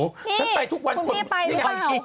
แต่ฉันไปทุกวันนี่คุณพี่พี่ไปรึเปล่า